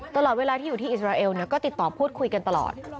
ตลอดเวลาที่อยู่ที่อิสราเอลก็ติดต่อพูดคุยกันตลอด